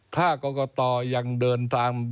ถ้ากอกอตรอย่างเดินทาง